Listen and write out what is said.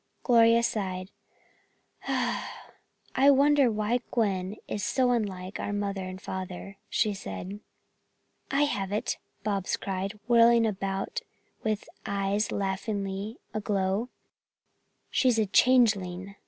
Gloria sighed: "I wonder why Gwen is so unlike our mother and father?" she said. "I have it," Bobs cried, whirling about with eyes laughingly aglow. "She's a changeling!